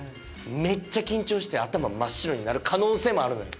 めっちゃ緊張して頭真っ白になる可能性もあるのよ。